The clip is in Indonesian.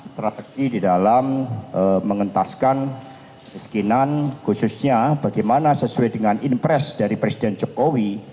strategi di dalam mengentaskan kemiskinan khususnya bagaimana sesuai dengan impres dari presiden jokowi